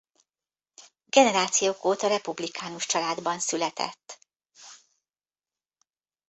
Generációk óta republikánus családban született.